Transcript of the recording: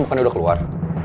bukan udah keluar